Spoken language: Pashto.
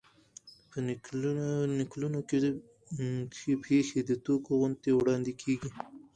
په نکلونو کښي پېښي د ټوګو غوندي وړاندي کېږي.